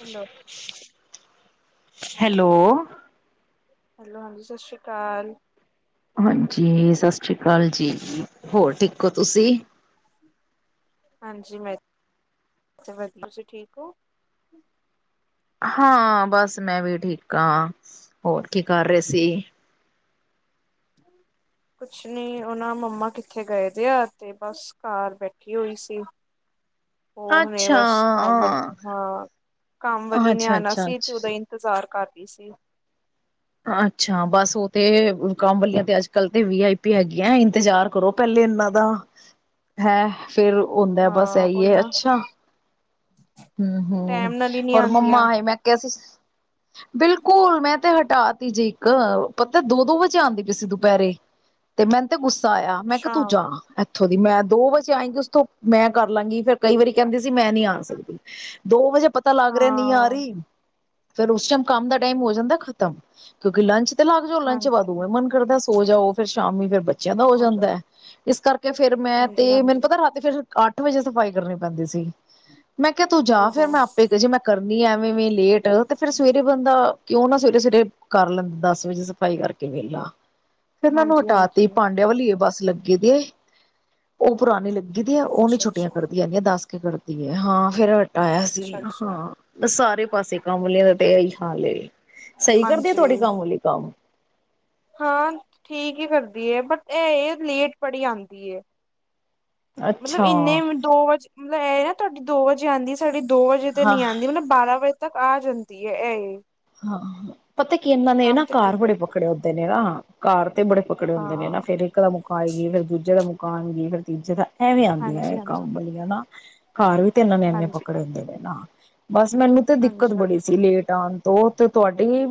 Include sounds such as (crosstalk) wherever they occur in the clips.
Hello hello hello, ਹਾਂਜੀ ਸਤਿ ਸ਼੍ਰੀ ਅਕਾਲ ਹਾਂਜੀ, ਸਤਿ ਸ੍ਰੀ ਅਕਾਲ ਜੀ ਹੋਰ ਠੀਕ ਹੋ ਤੁਸੀਂ ਹਾਂਜੀ, ਮੈਂ ਵਧੀਆ ਤੁਸੀਂ ਠੀਕ ਹੋ ਹਾਂ, ਬਸ ਮੈਂ ਵੀ ਠੀਕ ਹਾਂ ਹੋਰ ਕੀ ਕਰ ਰਹੇ ਸੀ ਕੁਛ ਨਹੀਂ, ਉਨ੍ਹਾਂ ਮੰਮਾ ਕਿੱਥੇ ਗਏ ਦੇ ਆ ਤੇ ਬਸ ਘਰ ਬੈਠੀ ਹੋਈ ਸੀ ਉਹ ਨੇ ਅੱਛਾ, ਬਸ ਕੰਮ ਵਾਲੀ ਹਾਂ ਕੰਮ ਵਾਲੀ ਨੇ ਅੱਛਾ, ਆਉਣਾ ਅੱਛਾ, ਸੀ ਤੇ ਉਹਦਾ ਅੱਛਾ। ਇੰਤਜ਼ਾਰ ਕਰ (unintelligible) ਅੱਛਾ, ਬਸ ਉਹ ਤੇ ਕੰਮ ਵਾਲੀਆਂ ਤੇ ਅੱਜ ਕੱਲ ਤੇ ਵੀ ਆਈ ਪੀ ਹੈਗੀਆਂ ਇੰਤਜ਼ਾਰ ਕਰੋ ਪਹਿਲੇ ਇਹਨਾਂ ਦਾ ਹੈ ਫਿਰ ਹੁੰਦਾ ਬਸ ਹਾਂ ਉਹ ਇਹੀ ਹੈ ਨਾ ਅੱਛਾ ਹੁੰ, ਹੁੰ, ਟੈਮ ਨਾਲ ਹੀ ਨੀ ਹੋਰ ਆਉਂਦੀਆਂ ਮੰਮਾ ਮੈਂ ਕਿਹਾ ਸੀ ਬਿਲਕੁਲ ਮੈਂ ਤੇ ਹਟਾ ਤੇ ਜੀ, ਇੱਕ ਪਤਾ ਦੋ ਦੋ ਵਜੇ ਆਉਂਦੀ ਪਈ ਸੀ ਦੁਪਹਿਰੇ ਤੇ ਗੁੱਸਾ ਆਇਆ ਮੈਂ ਕਿਹਾ ਅੱਛਾ ਤੂੰ ਜਾ ਉੱਥੋਂ ਦੀ ਮੈਂ ਦੋ ਵਜੇ ਆਏਂਗੀ। ਉਸਥੋਂ ਮੈਂ ਕਰ ਲਾਂਗੀ ਫਿਰ ਕਈ ਵਾਰੀ ਕਹਿੰਦੀ ਸੀ ਮੈਂ ਨੀ ਆ ਸਕਦੀ ਦੋ ਵਜੇ ਪਤਾ ਲੱਗ ਰਿਹਾ ਨਹੀ ਆ ਹਾਂ ਰਹੀ ਫਿਰ ਉਸ ਟਾਈਮ ਕੰਮ ਦਾ ਟਾਈਮ ਹੋ ਜਾਂਦਾ ਖਤਮ ਕਿਉਂਕਿ ਲੰਚ - ਹਾਂਜੀ (unintelligible) ਸੋ ਜਾਓ ਫਿਰ ਸ਼ਾਮੀ ਫੇਰ ਬੱਚੇ ਬੱਚਿਆਂ ਦਾ ਹੋ ਸੋ ਜਾਂਦਾ ਜਾਓ ਹੈ ਇਸ ਕਰਕੇ ਫੇਰ ਮੈਂ ਤੇ ਹਾਂਜੀ ਹਾਂਜੀ ਮੈਨੂੰ ਪਤਾ ਰਾਤੀ ਫੇਰ ਅੱਠ ਵਜੇ ਸਫ਼ਾਈ ਕਰਨੀ ਪੈਂਦੀ ਸੀ। ਮੈਂ ਕਿਹਾ। ਤੂੰ ਜਾ ਫੇਰ ਓਹੋ ਮੈਂ ਆਪੇ ਕਿ ਜੇ ਮੈਂ (unintelligible) ਕਰਨੀ ਐਵੇਂ ਲੇਟ। ਉਹ ਤੇ ਫਿਰ ਸਵੇਰੇ ਬੰਦਾ। ਕਿਉਂ ਨਾ ਸਵੇਰੇ ਸਵੇਰੇ ਕਰ ਲੈਂਦਾ ਦਸ ਵਜੇ ਸਫ਼ਾਈ ਕਰਕੇ ਵਿਹਲਾ। ਫਿਰ ਇਹਨਾਂ ਨੂੰ ਹਾਂਜੀ ਹਟਾਤੀ ਹਾਂਜੀ ਪਾਂਡਿਆਂ ਵਾਲਲੀਏ ਬਸ। (unintelligible) ਲੱਗੇ ਦੀ ਹੈ ਉਹ ਪੁਰਾਣੀ ਲੱਗੀ। ਦੀਆਂ ਉਹ ਨੀ ਅੱਛਾ ਛੁੱਟੀਆਂ ਅੱਛਾ ਕਰਦੀ ਹੈਗੀ ਦੀ ਦਸ ਕਰਦੀ ਹੈ ਹਾਂ। ਫੇਰ। ਆਇਆ ਅੱਛਾ ਸੀ ਅੱਛਾ ਹਾਂ ਸਾਰੇ ਪਾਸੇ ਕੰਮ ਤੇ ਅੱਛਾ ਇਹੀ ਅੱਛਾ ਹਾਲ ਹੈ ਸਹੀ ਕਰਦੀ ਆ ਤੁਹਾਡੀੇ ਹਾਂਜੀ ਕੰਮ ਵਾਲੀ ਕੰਮ ਹਾਂ ਠੀਕ ਹੀ ਕਰਦੀ ਹੈ ਬਟ ਇਹ ਲੇਟ ਬੜੀ ਆਉਂਦੀ ਹੈ। ਮਤਲਬ ਅੱਛਾ ਇੰਨੇ ਦੋ ਵਜ ਮਤਲਬ ਇਹ ਨਾ। (unintelligible) ਤੁਹਾਡੀ ਦੋ ਵਜੇ ਆਉਂਦੀ ਸਾਡੀ ਦੋ ਵਜੇ ਤੇ ਹਾਂ ਨਹੀ ਆਉਂਦੀ ਮਤਲਬ ਬਾਰਾਂ ਵਜੇ। ਤੱਕ ਆ ਜਾਂਦੀ ਹੈ ਇਹ ਹਾਂ। ਪਤਾ ਕੀ ਇਹਨਾਂ ਨੇ ਕੰਮ ਨਾ ਤੇ ਠੀਕ ਘਰ ਬੜੇ ਕਰਦੀ ਹੈ। ਪਕੜੇ ਹੋਦੇ ਨੇ ਨਾ ਘਰ। ਬੜੇ ਪਕੜੇ ਹੁੰਦੇ ਨੇ ਨਾ ਹਾਂ ਫਿਰ ਇੱਕ ਦਾ ਮੁ ਪਾਈ ਗਏ ਫਿਰ ਦੂਜੇ ਦਾ ਮਕਾਨ ਗਏ ਫਿਰ ਤੂਜੇ ਦਾ ਇਹ ਵੀਂ ਹਾਂਜੀ ਆਉਂਦੀਆਂ ਹਾਂਜੀ ਕੰਮ ਵਾਲੀਆਂ ਨਾ। ਘਰ ਵੀ ਤੇ ਇਹਨਾਂ ਨੇ ਏਨੇ ਹਾਂਜੀ ਪਕੜੇ ਹੁੰਦੇ ਨੇ ਨਾ। ਅੱ। (inaudible) ਬਸ ਮੈਨੂੰ ਤੇ ਦਿੱਕਤ ਹਾਂਜੀ ਹਾਂਜੀ ਬੜੀ ਸੀ ਲੇਟ ਆਉਣ ਤੇ ਤੁਹਾਡੀ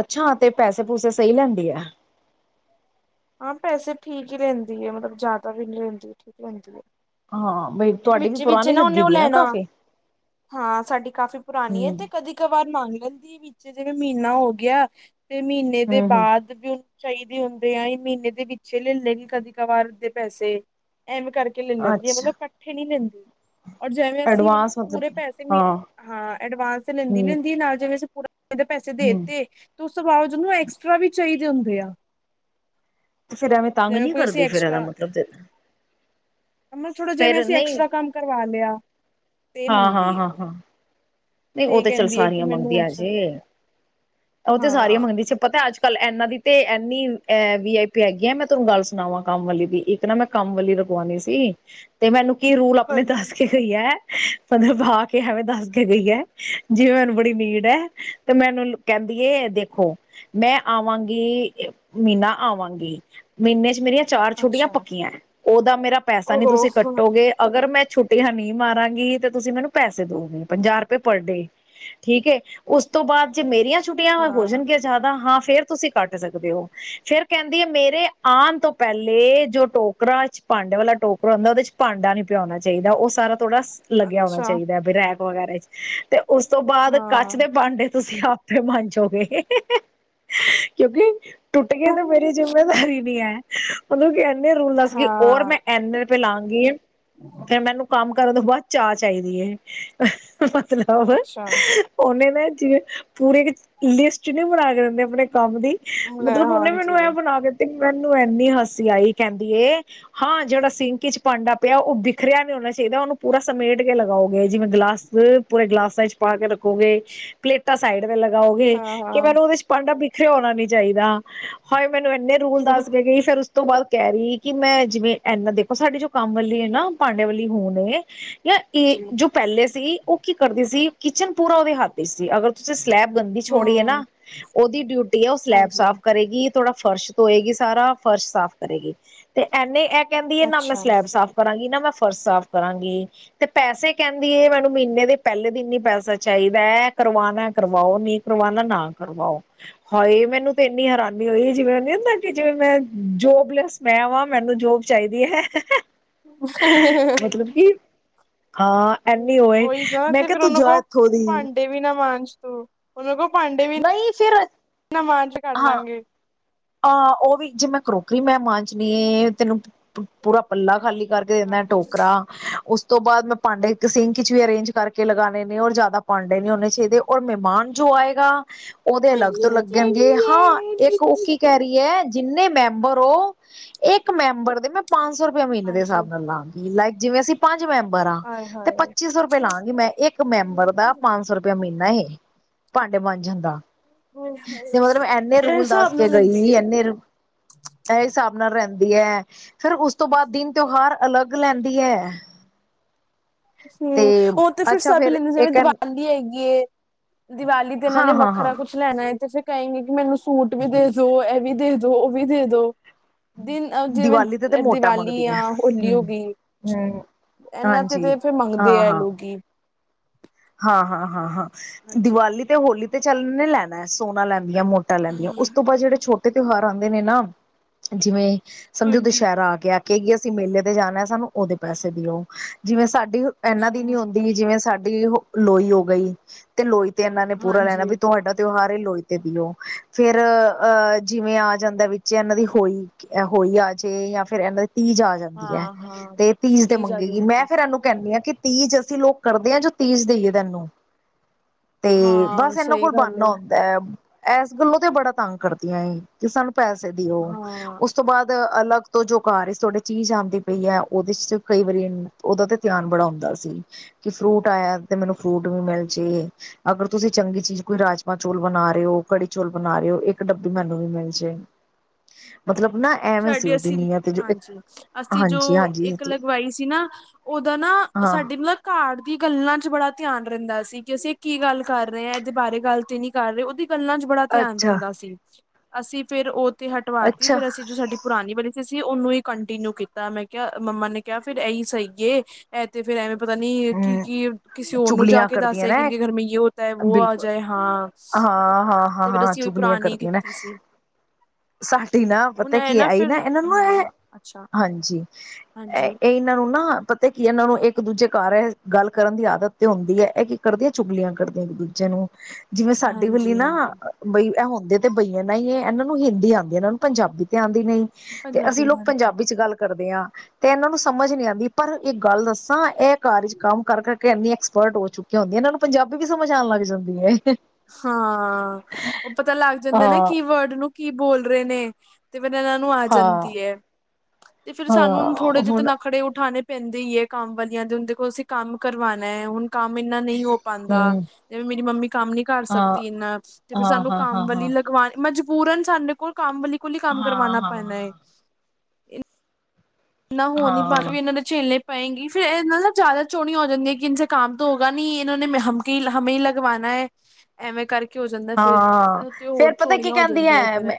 ਅਛਾ ਤੇ ਪੈਸੇ ਪੂਸੇ ਸਹੀ ਲੈਂਦੀ ਹੈ। ਹਾਂ ਪੈਸੇ ਠੀਕ ਹੀ ਲੈਂਦੀ ਹੈ ਮਤਲਬ ਜ਼ਿਆਦਾ ਵੀ ਨਹੀਂ ਲੈਂਦੀ ਠੀਕ ਲੈਂਦੀ ਹੈ। ਹਾਂ। ਬਈ ਤੁਹਾਡੀ ਵੀ ਵਿੱਚ ਵਿੱਚ ਪੁਰਾਣੀ ਨਾ ਉਹਨੇ ਲੱਗੀ ਉਹ ਦੀ ਲੈਣਾ ਕਾਫੀ ਹਾਂ ਸਾਡੀ ਕਾਫ਼ੀ ਪੁਰਾਣੀ ਹੈ ਹੂੰ ਤੇ ਕਦੇ ਕ ਵਾਰ ਮੰਗ ਲੈਂਦੀ ਵਿੱਚ ਜਿਵੇਂ ਮਹੀਨਾ ਹੋ ਗਿਆ ਤੇ ਮਹੀਨੇ ਦੇ ਹੂੰ ਹੂੰ ਬਾਅਦ ਵੀ ਚਾਹੀਦੇ ਹੁੰਦੇ ਆ ਯਾ ਮਹੀਨੇ ਦੇ ਵਿਚੇ ਲੈ ਲੈਣ ਕਦੀ ਕਵਾਰ ਦੇ ਪੈਸੇ। ਐਮ ਕਰਕੇ ਲੈ ਲੈਂਦੀ ਹੈ ਅੱਛਾ ਮਤਲਬੱ ਨੀ ਲੇਨ ਔਰ ਜੇਵੇਂ ਅਸੀਂ ਮਤਲਬ ਐਡਵਾਂਸ ਪੂਰੇ ਪੈਸੇ ਮਹੀ, ਹਾਂ ਹਾਂ ਐਡਵਾਂਸ ਤੇ ਲੈਂਦੀ ਨੀ ਹੂੰ ਹੂੰਦੀ, ਨਾਲ ਜਿਵੇਂ ਅਸੀਂ ਨਾਂ ਪੈਸੇ ਹੂੰ ਦੇਤੇ, ਤੇ ਉਸ ਤੋਂ ਬਾਅਜ ਜੇ ਉਹਨੂੰ ਐਕਸਟਰਾ ਵੀ ਚਾਹੀ ਹੁੰਦੇ ਆ। ਤੇ ਫਿਰ ਐਵੇਂ ਤੰਗ ਜਿਵੇਂ ਨਹੀਂ ਕੋਈ ਅਸੀਂ ਕਰਦੇ ਫਿਰ ਇਹਦਾ ਮਤਲਬ ਤੇ ਉਹਨਾਂ ਨਾ ਥੋੜਾ ਜੇਵੇ ਫੇਰ ਸ ਤੇ ਐਕਸਟਰਾ ਕੰਮ ਕਰਵਾ ਲਿਆ। ਤੇ ਮੰਗਦੀ ਹੈ ਹਾਂ-ਹਾਂ-ਹਾਂ-ਹਾਂ। ਨਹੀਂ ਉਹ ਤੇ ਚੱਲ ਕਹਿੰਦੀ ਹੈ ਕਿ ਸਾਰੀਆਂ ਮੈਨੂੰ ਮੰਗਦੀਆ ਐਕਸਟਰਾ ਜੇ, ਚਾਹੀਦਾ ਉਹ ਤੇ ਹਾਂ ਸਾਰੀਆਂ ਮੰਗਦੀ ਚ ਪਤਾ ਅੱਜ ਅੱਜ ਕੱਲ ਇਹਨਾਂ ਦੀ ਤੇ ਇਨੀ ਏਹ ਵੀ ਆਈ ਪੀ ਹੈਗੀ ਆ, ਮੈਂ ਤੁਹਾਨੂੰ ਗੱਲ ਸੁਣਾਵਾਂ ਕੰਮ ਵਾਲੀ ਦੀ, ਇੱਕ ਨਾ ਮੈਂ ਕੰਮ ਵਾਲੀ ਰਗਵਾਉਣੀ ਸੀ, ਤੇ ਮੈਨੂੰ ਕੀ ਰੂਲ ਆਪਣੇ ਹਾਂਜੀ ਦੱਸ ਕੇ ਗਈ ਐ? ਮਤਲਬ ਆ ਕੇ ਐਵੇਂ ਦੱਸ ਕੇ ਗਈ ਹੈ। ਜਿਵੇਂ ਮੈਨੂੰ ਬੜੀ ਨੀਡ ਹੈ, ਤੇ ਮੈਨੂੰ ਕਹਿੰਦੀ ਏ ਦੇਖੋ, ਮੈਂ ਆਵਾਂਗੀ ਮਹੀਨਾ ਆਵਾਂਗੀ, ਮਹੀਨੇ ਚ ਮੇਰੀਆਂ ਚਾਰ ਛੁੱਟੀਆਂ ਅੱਛਾ ਪੱਕੀਆਂ ਐ, ਉਹਦਾ ਮੇਰਾ ਪੈਸਾ ਨਹੀਂ ਓਹੋ ਤੁਸੀਂ ਕੱਟੋਗੇ, ਅਗਰ ਮੈਂ ਛੁੱਟੀਆਂ ਨਹੀਂ ਮਾਰਾਂਗੀ ਤੇ ਤੁਸੀਂ ਮੈਨੂੰ ਪੈਸੇ ਦਓਗੇ ਪੰਜਾਹ ਰੁ ਰੁਪਏ ਪਰ ਡੇ, ਠੀਕ ਏ, ਉਸ ਤੋਂ ਬਾਅਦ ਜੇ ਮੇਰੀਆਂ ਛੁਟੀਆਂ ਹਾਂ ਹੋਜਨ ਗਿਆਂ ਜ਼ਿਆਦਾ, ਹਾਂ ਫੇਰ ਤੁਸੀਂ ਕੱਟ ਸਕਦੇ ਹੋ, ਫੇਰ ਕਹਿੰਦੀ ਏ ਮੇਰੇ ਆਨ ਤੋਂ ਪਹਿਲੇ, ਜੋ ਟੋਕਰਾ ਚ ਭਾਂਡੇ ਵਾਲਾ ਟੋਕਰਾ ਹੁੰਦਾ, ਉਹਦੇ ਚ ਭਾਂਡਾ ਨੀ ਪਿਆ ਉਣਾ ਚਾਹੀਦਾ, ਉਹ ਸਾਰਾ ਥੋੜਾ ਸ ਲੱਗਿਆ ਹੋਣਾ ਅੱਛਾ ਚਾਹੀਦਾ ਹੈ (unintelligible) ਵਗੈਰਾ ਤੇ ਉਸ ਤੋਂ ਬਾਅਦ ਕੱਚ ਹਾਂ ਦੇ ਭਾਂਡੇ ਤੁਸੀਂ ਆਪ ਆਪੇ ਮਾਂਜੋਗੇ, ਕਿਉਂਕਿ ਟੁੱਟ ਗਏ ਤਾਂ ਮੇਰੀ ਜਿੰਮੇਦਾਰੀ ਨੀ ਹੈ। ਉਹਨੂੰ ਕ ਇੰਨੇ ਰੂਲ ਦਸ ਗਈ, ਔਰ ਹਾਂ ਮੈਂ ਏਨੇ ਰੁਪੇ ਲਾਂਗੀ ਫੇਰ ਮੈਨੂੰ ਕੰਮ ਕਰਨ ਤੋਂ ਬਾਅਦ ਚਾਹ ਚਾਹੀਦੀ ਏ। (inaudible) ਸੁਣਾਓ ਫੇਰ, ਅੱਛਾ ਉਹਨੇ ਨੇ ਜਿਵੇਂ ਪੂਰੇ ਇੱਕ ਲਿਸਟ ਨਹੀਂ ਬਣਾ ਕੇ ਦਿੰਦੇ ਆਪਣੇ ਕੰਮ ਦੀ ਲੈ ਮਤਲਬ ਉਹਨੇ ਮੈਨੂੰ ਹਾਂਜੀ ਇਹ ਬਣਾ ਦਿੱਤੀ। ਮੈਨੂੰ ਇੰਨੀ ਹੰਸੀ ਆਈ, ਕਹਿੰਦੀ ਏ, ਹਾਂ ਜਿਹੜਾ ਸਿੰਕ ਚ ਭਾਂਡਾ ਪਿਆ ਉਹ ਬਿਖਰਿਆ ਨੀ ਹੋਣਾ ਚਾਹੀਦਾ, ਉਹਨੂੰ ਪੂਰਾ ਸਮੇਟ ਕੇ ਲਗਾਓਗੇ ਜਿਵੇਂ ਗਲਾਸ। ਹੂੰ ਪੂਰੇ ਗਲਾਸਾਂ ਚ ਪਾ ਕੇ ਰੱਖੋਗੇ ਪਲੇਟ ਤਾਂ ਸਾਈਡ ਲਗਾਓਗੇ ਹਾਂ ਕਿ ਹਾਂ ਮੈਨੂੰ ਉਹਦੇ ਚ ਪਾਂਡਾ ਇਥੇ ਹੋਣਾ ਨੀ ਚਾਹੀਦਾ ਹਾਏ ਮੈਨੂੰ ਇੰਨੇ ਰੂਲ ਦੱਸ ਕੇ ਗਈ ਫਿਰ ਤੋਂ ਬਾਅਦ ਕਹਿ ਰਹੀ ਕਿ ਮੈਂ ਜਿਵੇਂ ਇਨਾ ਦੇਖੋ ਸਾਡੇ ਜੋ ਕੰਮ ਵਾਲੀ ਹੈ ਨਾ ਭਾਂਡਿਆਂ ਵਾਲੀ ਹੁਣ ਐ ਜਾਂ ਇਹ ਜੀ ਜੋ ਪਹਿਲੇ ਸੀ। ਉਹ ਕੀ ਕਰਦੀ ਸੀ, ਕਿਚਨ ਪੂਰਾ ਉਹਦੇ ਹੱਥ ਦੀ ਸੀ। ਜੇ ਅਗਰ ਤੁਸੀਂ ਸਲੈਬ ਗੰਦੀ ਛੜੀਏ ਐ ਹਮ ਨਾ, ਉਹਦੀ ਡਿਊਟੀ ਹੈ ਉਹ ਸਲੈਬ ਹਾਂਜੀ ਸਾਫ਼ ਕਰੇਗੀ। ਥੋੜਾ ਫਰਸ਼ ਧੋਏਗੀ ਸਾਰਾ, ਫਰਸ਼ ਸਾਫ਼ ਕਰੇਗੀ ਤੇ ਇੰਨੇ ਕਹਿੰਦੀ ਹੈ, ਨਾ ਮੈਂ ਅੱਛਾ ਸਲੈਬ ਸਾਫ਼ ਕਰਾਂਗੀ ਨਾ ਮੈਂ ਫਰਸ਼ ਸਾਫ਼ ਕਰਾਂਗੀ ਤੇ ਪੈਸੇ ਕਹਿੰਦੀ ਹੈ ਮੈਨੂੰ ਮਹੀਨੇ ਦੇ ਪਹਿਲੇ ਦਿਨ ਹੀ ਪੈਸੇ ਚਾਹੀਦਾ ਹੈ, ਕਰਵਾਣਾ ਕਰਵਾਓ ਨਹੀਂ ਕਰਵਾਣਾ ਨਾ ਕਰਵਾਓ, ਹਾਏ ਮੈਨੂੰ ਤੇ ਇੰਨੀ ਹੈਰਾਨੀ ਹੋਈ, ਜਿਵੇਂ ਨੁੰਦਾ ਕਿ ਜਿਵੇਂ ਮੈਂ ਜੋਬਲੈਸ ਮੈਂ ਵਾਂ ਮੈਨੂੰ ਜੋਬ ਚਾਹੀਦੀ ਹੈ। ਮਤਲਬ ਕਿ (unintelligible) ਹਾਂ ਐਨੀ ਹੋ, ਉਹੀ ਨਾ ਤੇ ਫੇਰ ਉਹਨੂੰ ਕੋਲ ਭਾਂਡੇ ਵੀ ਨਾ ਮਾਂਜ ਤੂੰ, ਉਹਨਾਂ ਕੋਲ ਭਾਂਡੇ ਵੀ ਨਹੀਂ ਫਿਰ ਨ ਮਾਂਜ, ਕਰ ਲਾਂਗੇ। ਆ, ਉਹ ਵੀ ਜੇ ਮੈਂ ਕਰੋਕਰੀ ਮੈਂ ਮਾਂਜਣੀ ਐ, ਤੈਨੂੰ ਪੂਰਾ ਪੱਲਾ ਖਾਲੀ ਕਰਕੇ ਦਿੰਦਾ, ਮੈਂ ਹਾਂਜੀ ਟੋਕਰਾ ਉਸ ਤੋਂ ਬਾਅਦ ਮੈਂ ਪਾਂਡੇ ਸਿੰਕ ਚ, ਵੀ ਅਰੇਂਜ ਕਰਕੇ ਲਗਾਣੇ ਨੇ ਔਰ ਜ਼ਿਆਦਾ ਪਾਂਡੇ ਨੀ ਹੋਣੇ ਚਾਹੀਦੇ ਔਰ ਮਹਿਮਾਨ ਜੋ ਆਏਗਾ। ਉਹਦੇ ਅਲੱਗ ਹਾਂਜੀ ਤੋਂ ਲੱਗਣਗੇ ਹਾਂ ਇੱਕ ਹਾਂਜੀ ਹੈ ਜਿੰਨੇ ਮੈਂਬਰ ਔ, ਇੱਕ ਮੈਂਬਰ ਦੇ ਮੈਂ ਪੰਜ ਸੌ ਰੁਪਈਏ ਮਹੀਨੇ ਦੇ ਹਿਸਾਬ ਹਾਂਜੀ ਨਾਲ ਲਾਂਗੀ ਲਾਈਕ ਜਿਵੇਂ ਅਸੀਂ ਪੰ ਪੰਜ ਮੈਂਬਰ ਆ ਆਏ ਤੇ ਹਾਏ ਪੱਚੀ ਸੌ ਰੁਪਏ ਲਾਂਗੀ, ਮੈਂ ਇੱਕ ਮੈਂਬਰ ਦਾ ਹਾਂਜੀ, ਪੰਜ ਸੌ ਰੁਪਇਆ ਮਹੀਨਾ ਨਹੀਂ ਭਾਂਡੇ ਮਾਂਜਣ ਜਾਂ। ਆਏ ਹਾਏ, ਤੇ ਮਤਲਬ ਇੰਨੇ ਇਹ ਰੂਲ ਦੱਸ ਹਿਸਾਬ ਕੇ ਨਾਲ ਲੈਂਦੀ ਹੈ। ਗਈ ਇੰਨੇ ਇਹ ਹਿਸਾਬ ਨਾਲ ਰਹਿੰ ਦੀ ਹੈ ਫਿਰ ਉਸ ਤੋਂ ਬਾਅਦ ਦਿਨ ਤਿਉਹਾਰ ਅਲੱਗ ਲੈਂਦੀ ਏ ਹਮ ਉਹ ਤੇ ਫਿਰ ਅੱਛਾ ਸਭ ਫੇਰ ਲੈਂਦੇ ਜਿਵੇਂ ਇੱਕ ਦੀਵਾਲੀ ਹੈਗੀ ਏ ਦੀਵਾਲੀ ਤੇ ਇਹਨਾਂ ਹਾਂ ਨੇ ਹਾਂ ਹਾਂ ਵੱਖਰਾ ਕੁੱਛ ਲੈਣਾ ਹੈ ਤੇ ਫਿਰ ਕਹਿਗੇ ਕਿ ਮੈਨੂੰ ਸੂਟ ਵੀ ਦੇ ਦੋ ਇਹ ਵੀ ਦੇ ਦੋ ਉਹ ਵੀ ਦੇ ਦੋ ਦਿਨ ਜਿਵੇਂ ਦੀਵਾਲੀ ਤੇ ਤੇ ਮੋਟਾ ਦੀਵਾਲੀ ਮੰਗਦੀ ਹੈ ਆ ਹੋਲੀ ਹੋ ਹਮ ਗਈ ਹਮ ਇਹਨਾਂ ਤੇ ਹਾਂਜੀ ਫਿਰ ਹਾਂ ਮੰਗਦੇ ਆ ਹਾਂ ਲੋਕੀ ਹਾਂ ਹਾਂ ਹਾਂ ਹਾਂ ਹਾਂਜੀ ਦੀਵਾਲੀ ਤੇ ਹੋਲੀ ਤੇ ਚੱਲਣ ਲੈਣਾ ਸੋਨਾ ਲੈਣਾ ਮੋਟਾਂ ਲੈਂਦੀਆਂ ਹਾਂ ਉਸ ਤੋਂ ਬਾਦ ਜਿਹੜੇ ਛੋਟੇ ਤਿਉਹਾਰ ਆਉਂਦੇ ਨੇ ਨਾ ਜਿਵੇਂ ਸਮਝੋ ਹਾਂਜੀ ਦੁਸਹਿਰਾ ਆ ਗਿਆ ਕੀ ਅਸੀਂ ਮੇਲੇ ਤੇ ਜਾਣਾ ਸਾਨੂੰ ਉਹਦੇ ਪੈਸੇ ਦਿਓ ਜਿਵੇਂ ਸਾ ਇਹਨਾ ਦੀ ਨੀ ਅੱਛਾ ਹੁੰਦੀ ਜਿਵੇਂ ਸਾ ਤੇ ਓਹੋ ਲੋਈ ਹੋ ਗਈ ਤੇ ਲੋਈ ਤੇ ਇਹਨਾਂ ਨੇ ਪੂਰਾ ਲੈਣਾ ਹਾਂਜੀ ਵੀ ਤੁਹਾਡਾ ਤਿਉਹਾਰ ਲੋਈ ਤੇ ਦੀਓ ਫਿਰ ਅਹ ਜਿਵੇਂ ਆ ਜਾਂਦਾ ਏ ਵਿੱਚ ਇਹਨਾਂ ਦੀ ਹੋਈ ਹੋਈ ਆ ਜਾੇ ਜਾਂ ਫਿਰ ਇਹਨਾਂ ਦੇ ਤੀਜ ਆ ਹਾਂ ਜਾਂਦੀ ਹੈ ਹਾਂ ਤੇ ਤੀਜ ਦੇ ਆ ਮੰਗੇਗੀ ਮੈਂ ਜਾਂਦੀ ਫਿਰ ਇਹਨੂੰ ਕਹਿੰਨੀ ਹਾਂ ਕਿ ਤੀਜ ਅਸੀਂ ਲੋਕ ਕਰਦੇ ਹਾਂ ਜੋ ਤੀਜ਼ ਦੇਈਏ ਤੈਨੂੰ ਤੇ ਹਾਂ ਬਸ ਇਹਨਾਂ ਸਹੀ ਕੋਲ ਗੱਲ ਬਣਨਾ ਹੈ ਆਉਂਦਾ ਏ ਇਸ ਗੱਲੋਂ ਤੇ ਬੜਾ ਤੰਗ ਕਰਦੀਆਂ ਸੀ ਕਿ ਸਾਨੂੰ ਪੈਸੇ ਦਿਓ ਹਾਂ ਉਸ ਤੋਂ ਬਾਅਦ ਅਲੱਗ ਤੋਂ ਜੋ ਕਾਰ ਇਸ ਤੁਹਾਡੇ ਚੀਜ਼ ਆਉਂਦੀ ਪਈ ਹੈ ਉਹਦੇ ਚ ਕਈ ਵਾਰੀ ਉਹਦਾ ਤੇ ਧਿਆਨ ਬੜਾ ਹੁੰਦਾ ਸੀ ਕਿ ਫਰੂਟ ਆਇਆ ਤੇ ਮੈਨੂੰ ਫਰੂਟ ਵੀ ਮਿਲ ਜਾੇ ਅਗਰ ਤੁਸੀਂ ਚੰਗੀ ਚੀਜ਼ ਕੋਈ ਰਾਜਮਾਂ ਚੋਲ ਬਣਾ ਰਹੇ ਹੋ ਕੜੀ ਚੋਲ ਬਣਾ ਰਹੇ ਹੋ ਇੱਕ ਡੱਬੀ ਮੈਨੂੰ ਵੀ ਮਿਲ ਜੇ ਮਤਲਬ ਨਾ ਐਵੇਂ ਸੀ ਸਾਡੀੇ ਉਹਦੀ ਅਸੀਂ ਨੀਅਤ ਜੋ ਹਾਂਜੀ ਅਸੀਂ ਜੋ ਹਾਂਜੀ ਹਾਂਜੀ ਇੱਕ ਲਗਵਾਈ ਸੀ ਨਾ ਉਹਦਾ ਨਾ ਹਾਂ ਸਾਡੀ ਮਤਲਬ ਘਰ ਦੀ ਗੱਲਾਂ ਚ ਬੜਾ ਧਿਆਨ ਰਹਿੰਦਾ ਸੀ ਕਿ ਅਸੀਂ ਇਹ ਕੀ ਗੱਲ ਕਰ ਰਹੇ ਹਾਂ ਇਹਦੇ ਬਾਰੇ ਗੱਲ ਤੇ ਨਹੀਂ ਕਰ ਰਹੇ ਉਹਦੀ ਗੱਲਾਂ ਚ ਬੜਾ ਧਿਆਨ ਅੱਛਾ ਰਹਿੰਦਾ ਸੀ ਅਸੀਂ ਫਿਰ ਓ ਤੇ ਹਟਵਾਤੀ ਅੱਛਾ ਫਿਰ ਅਸੀਂ ਸੀ ਕੰਟੇਨਉ ਕੀਤਾ ਮੈਂ ਕਿਹਾ ਮੰਮਾ ਨੇ ਕਿਹਾ ਫੇਰ ਇਹੀ ਸਹੀ ਐ ਤੇ ਫੇਰ ਪਤਾ ਨਹੀਂ ਕਿ ਹਮ ਕੀ ਕਿਸੇ ਹੋਰ ਨੂੰ ਜਾ ਚੁਗਲੀਆਂ ਕੇ ਕਰਦੀਆਂ ਦੱਸਦਾ ਨਾ ਕਿ ਇ ਘਰ ਮੈਂ ਯੋ ਹੋਤਾ ਹੈ ਵੋ ਆ ਜਾਏ ਹਾਂ। ਤੇ ਫੇਰ ਹਾਂ-ਹਾਂ, ਅਸੀਂ ਉਹੀ ਚੁਗਲੀਆਂ ਪੁਰਾਣੀ ਕਰਦੀਆਂ ਨਾ ਕੀਤੀ ਸੀ ਸਾਡੀ ਨਾ ਹੁਣ ਪਤਾ ਇਹ ਕੀ ਆਈ ਨਾ ਫਿਰ ਇਹਨਾਂ ਨੂੰ ਇਹ ਹਾਂ ਅੱਛਾ ਹਾਂਜੀ ਇਹ ਹਾਂਜੀ ਇਹਨਾਂ ਨੂੰ ਨਾ ਪਤਾ ਕੀ ਇਹ ਨੂੰ ਇੱਕ ਦੂਜੇ ਘਰ ਇਹ ਗੱਲ ਕਰਨ ਦੀ ਆਦਤ ਤੇ ਹੁੰਦੀ ਹੈ ਇਹ ਕੀ ਕਰਦੀ ਹੈ ਚੁਗਲੀਆਂ ਕਰਦੀਆਂ ਇੱਕ ਦੂਜੇ ਨੂੰ ਜਿਵੇਂ ਸਾਡੇ ਵਾਲੀ ਹਾਂਜੀ ਨਾ ਹਾਂਜੀ ਬਈ ਇਹੋ ਤੇ ਬਈਆਂ ਨਾ ਹੀ ਇਹਨਾਂ ਨੂੰ ਹਿੰਦੀ ਆਦੀ ਇਹਨਾਂ ਨੂੰ ਪੰਜਾਬੀ ਤੇ ਆਦੀ। ਨੀ ਤੇ ਪੰਜਾਬੀ ਅਸੀਂ ਲੋਕ ਦੀ ਪੰਜਾਬੀ ਚ ਗੱਲ ਕਰਦੇ ਹਾਂ ਤੇ ਇਹਨਾਂ ਨੂੰ ਸਮਝ ਨੀ ਆਦੀ ਪਰ ਗੱਲ ਦੱਸਾਂ ਇਹ ਚ ਕੰਮ ਕਰਕੇ, ਇੰਨੀ ਐਕਸਪਰਟ ਚੁੱਕ ਹੁੰਦੀ ਇਹਨਾਂ ਨੂੰ ਪੰਜਾਬੀ ਵੀ ਸਮਝ ਆਉਣ ਲੱਗ ਜਾਂਦੀ ਹੈ ਹਾਂ ਉਹ ਪਤਾ ਲੱਗ ਜਾਂਦੇ ਨੇ ਹਾਂ ਕੀ ਵਰਡ ਨੂੰ ਕੀ ਬੋਲ ਰਹੇ ਨੇ, ਤੇ ਫਿਰ ਇਹਨਾਂ ਨੂੰ ਆ ਹਾਂ ਜਾਂਦੀ ਹੈ ਤੇ ਫੇਰ ਸਾਨੂੰ ਥੋੜੇ ਹਾਂ ਜਿਹੇ ਤੇ ਹੁਣ ਨਖੜੇ ਉਠਾਣੇ, ਪੈਂਦੇ ਹੀਏ ਕੰਮ ਵਾਲੀਆਂ ਦੇ ਹੁਣ ਦੇਖੋ ਅਸੀਂ ਕੰਮ ਕਰਵਾਣਾ ਹੈਏ ਹੁਣ ਕੰਮ ਇੰਨਾ ਨਹੀਂ ਹੋ ਪਾਦਾ, ਹੂੰ ਜ ਮੇਰੀ ਮੰਮੀ ਕੰਮ ਨੀ ਕਰ ਹਾਂ ਸਕਦੀ ਇਨਾ ਤੇ ਫੇਰ ਹਾਂ ਸਾਨੂੰ ਹਾਂ ਹਾਂ ਕੰਮ ਵਾਲੀ ਲਗਵਾਣੀ ਮਜ ਪੂਰਨ ਸਾਡੇ ਕੋਲ ਕੰਮ ਵਾਲੀ ਕੋਲ ਹੀ ਕੰਮ ਹਾਂ ਕਰਵਾਣਾ ਹਾਂ ਪੈਣਾ ਐ, ਇਹ, ਇੰਨਾ ਹਾਂ ਹੋ ਨੀ ਪਾ ਹਾਂ ਵੀ ਇਹਨਾਂ ਦੇ ਚੇਲੇ ਪਏਂਗੀ ਫਿਰ ਮਤਲਬ ਜ਼ਿਆਦਾ ਚੋੜੀਆਂ ਹੋ ਜਾਂਦੀ ਹੈ, ਕਿ ਇਨਸੇ ਕਾਮ ਤਾਂ ਹੋਗਾ ਨੀ ਇਨੇ ਹਮੇ ਹੀ ਲਗਵਾਨਾ ਹੈ, ਐਵੇਂ ਕਰਕੇ ਹਾਂ ਫੇਰ ਪਤਾ ਕੀ ਹੋ ਕਹਿੰਦੀ ਜਾਂਦੀਆਂ ਫਿਰ ਹੈ,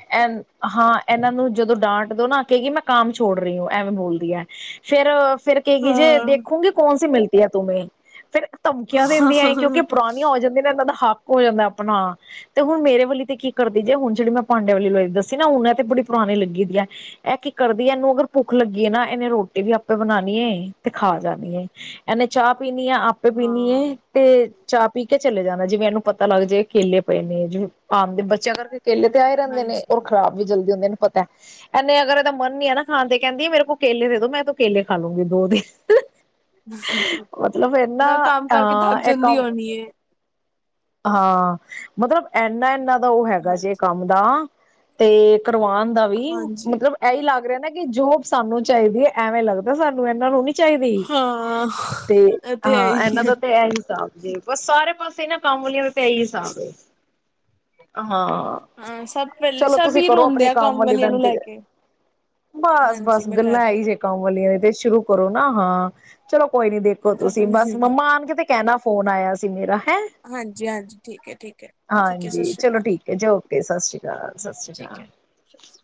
ਹਾਂ ਇਹਨਾਂ ਨੂੰ ਜਦੋਂ ਡਾਂਟ ਦੋ ਨਾ ਕਿਹੇਗੀ ਮੈਂ ਕਾਮ ਛੋੜ ਰਹੀ ਹੂੰ, ਐਵੇਂ ਬੋਲਦੀ ਹੈ ਫੇਰ, ਫੇਰ ਕਹਿ ਜੇ ਹਾਂਜੀ ਦੇਖੋਗੇ ਕੌਣ ਸੇ ਮਿਲ ਤੂਮੇ ਫਿਰ, ਧਮਕੀਆਂ ਦਿੰਦੀਆਂ ਏ ਕਿਉਂਕਿ ਪੁਰਾਣੀਆਂ ਹੋ ਜਾਂਦੀਆਂ ਨੇ ਇਹਨਾਂ ਦਾ ਹੱਕ ਹੋ ਜਾਂਦਾ ਆਪਣਾ ਤੇ ਹੁਣ ਮੇਰੇ ਵਾਲੀ ਤੇ ਕੀ ਕਰਦੀ ਜੇ ਹੁਣ ਜਿਹੜੀ ਮੈਂ ਪਾਂਡੇ ਵਾਲੀ ਦੱਸੀ ਨਾ ਹੁਣ ਇਹ ਤੇ ਬੜੀ ਪੁਰਾਣੀ ਲੱਗੀ ਦੀ ਹੈ, ਇਹ ਕੀ ਕਰਦੀ ਇਹਨੂੰ ਅਗਰ ਭੁੱਖ ਲੱਗੀਏ ਨਾ ਇਹਨੇ ਰੋਟੀ ਵੀ ਆਪੇ ਬਣਾਣੀ ਏ ਤੇ ਖਾ ਜਾਣੀ ਏ ਇਹਨੇ ਚਾਹ ਪੀਣੀ ਆ ਆਪੇ ਪੀਨੀ ਏ ਤੇ ਚਾਹ ਪੀ ਕੇ ਚਲੇ ਜਾਣਾ ਜਿਵੇਂ ਇਹਨੂੰ ਪਤਾ ਲੱਗ ਜੇ ਕੇਲੇ ਪਏ ਨੇ ਜਿਵੇਂ ਆਮ ਦੇ ਬੱਚੇ ਕਰਕੇ ਕੇਲੇ ਤੇ ਆਏ ਰਹਿੰਦੇ ਨੇ ਔਰ ਆਪਣਾ ਖਰਾਬ ਵੀ ਜਲਦੀ ਹੁੰਦੇ ਨੇ ਲੈ ਇਹਨੇ ਅਗਰ ਇਹਦਾ ਮਨ ਨੀ ਨਾ ਖਾਣ ਦੇ ਕਹਿੰਦੀ ਆ ਮੇਰੇ ਕੋ ਕੇਲੇ ਦੇ ਦੋ ਮੈਂ ਤਾਂ ਕੇਲੇ ਖਾ ਲਓਗੇ ਦੋ ਦਿਨ ਮਤਲਬ ਇਹਨਾ ਕੰਮ ਕਰਕੇ ਥੱਕ ਅਹ ਜਾਂਦੀ ਇੱਕਮ (inaudible) ਹੋਣੀ ਹੈ ਹਾਂ ਮਤਲਬ ਇਨਾ ਇੰਨਾ ਦਾ ਉਹ ਹੈਗਾ ਜੇ ਕੰਮ ਦਾ ਤੇ ਕਰਵਾਉਣ ਦਾ ਵੀ ਹਾਂਜੀ ਮਤਲਬ ਇਹੀ ਲੱਗ ਰਿਹਾ ਨਾ ਕਿ ਜੋਬ ਸਾਨੂੰ ਚਾਹੀਦੀ ਹੈ ਐਵੇਂ ਲੱਗਦਾ ਸਾਨੂੰ ਇਹਨਾਂ ਨੂੰ ਨੀ ਚਾਹੀਦੀ ਹਾਂ ਤੇ ਇਹ ਤੇ ਹੈ ਹਾਂ ਇਹਨਾਂ ਆ ਦਾ ਤੇ ਇਹ ਹੀ ਹਿਸਾਬ ਜ ਸਾਰੇ ਪਾਸੇ ਨਾ ਕੰਮ ਵਾਲਿਆਂ ਦਾ ਤੇ ਇਹੀ ਹਿਸਾਬ ਏ। ਹਾਂ ਹਾਂ ਸਭ ਪਹਿਲੇ ਚਲੋ ਸਭ ਤੁਸੀਂ ਹੀ ਕਰੋ ਰੋਂਦੇ ਆਪਣੇ ਆ ਕੰਮ ਵਾਲੀ ਦਾ ਵਾਲੀਆਂ ਨੂੰ ਲੈ ਇੰਤਜਾਰ ਕੇ ਬਸ ਹਾਂਜੀ ਬਸ ਮੈਂ ਕਰ ਗੱਲਾਂ ਆ ਹੀ ਰਹੀ ਹਾਂ ਜੇ ਕੰਮ ਵਾਲੀਆਂ ਦੀ ਤੇ ਸ਼ੁਰੂ ਕਰੋ ਨਾ ਹਾਂ ਚਲੋ ਕੋਈ ਨੀ ਦੇਖੋ ਤੁਸੀਂ ਖਤਮ ਬਸ ਮੰਮਾ ਆਣਗੇ ਤੇ । ਕਹਿਣਾ ਫੋਨ ਆਇਆ ਸੀ ਮੇਰਾ ਹੈਂ ਹਾਂਜੀ ਹਾਂਜੀ ਠੀਕ ਹੈ ਠੀਕ ਹੈ ਠੀਕ ਹੈ ਸਤਿ ਹਾਂਜੀ ਸ਼੍ਰੀ ਚਲੋ ਅਕਾਲ ਠੀਕ ਹੈ ਜ ਓਕੇ ਸਤਿ ਸ੍ਰੀ ਅਕਾਲ ਸਤ ਸ੍ਰੀ ਠੀਕ ਅਕਾਲ ਹੈ